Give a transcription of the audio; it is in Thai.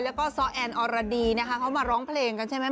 แล้วก็ซ้อแอนอรดีนะคะเขามาร้องเพลงกันใช่ไหม